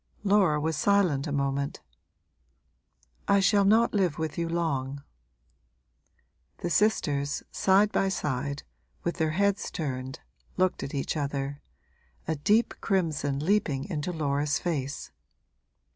Laura was silent a moment. 'I shall not live with you long.' The sisters, side by side, with their heads turned, looked at each other, a deep crimson leaping into Laura's face.